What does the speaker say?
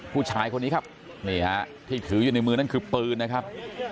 ผู้ชายคนนี้ครับนี่ฮะที่ถืออยู่ในมือนั่นคือปืนนะครับ